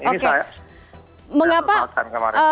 ini saya kesal kesan kemarin